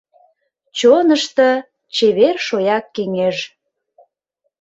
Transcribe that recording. Чонышто — чевер шояк кеҥеж.